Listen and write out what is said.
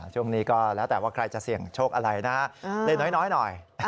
ช่วงนี้ก็แล้วแต่ว่าใครจะเสี่ยงโชคอะไรนะเล็กน้อยหน่อย